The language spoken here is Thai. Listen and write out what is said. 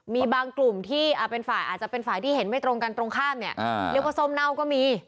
มีบางกลุ่มที่เป็นฝ่ายอาจจะเป็นฝ่ายที่เห็นไม่ตรงกันตรงข้ามเนี่ยเรียกว่าส้มเน่าก็มี